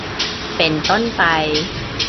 เป็นต้นไป